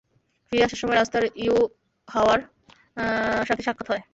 ফিরে আসার সময় রাস্তায় ইউহাওয়ার সাথে সাক্ষাৎ হয়।